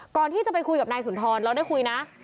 ก่อนที่จะไปคุยกับนายสุนทรเราได้คุยนะ